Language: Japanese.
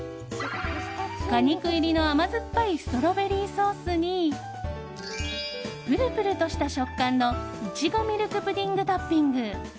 果肉入りの甘酸っぱいストロベリーソースにプルプルとした食感のいちごミルクプディングトッピング。